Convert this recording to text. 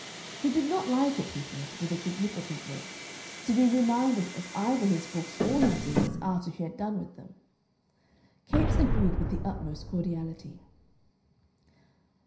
He did not like it, he said, with a significant look, to be reminded of either his books or his dinners after he had done with them. Capes agreed with the utmost cordiality.